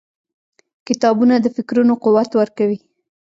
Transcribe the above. • کتابونه د فکرونو قوت ورکوي.